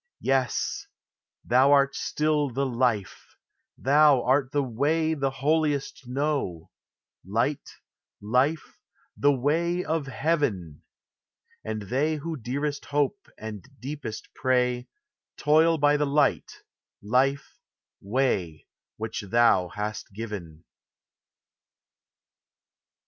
Yes; thou art still the Life, thou art the Way The holiest know; Light, Life, the Way of heaven! And they who dearest hope and deepest pray, Toil by the Light, Life, Way, which thou hast given.